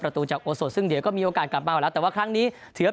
ประตูจากโอโสดซึ่งเดี๋ยวก็มีโอกาสกลับมาแล้ว